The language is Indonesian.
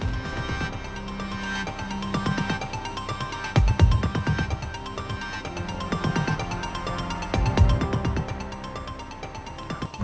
ayu put masuk